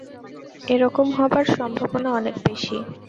এ রকম হবার সম্ভাবনা অনেক বেশি।